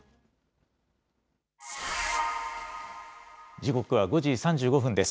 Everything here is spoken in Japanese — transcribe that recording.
時刻は５時３５分です。